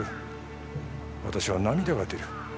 私は涙が出る。